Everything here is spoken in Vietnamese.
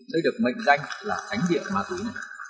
đây được mệnh danh là ánh điện ma túy